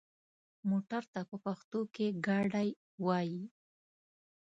موټر ته په پښتو کې ګاډی وايي.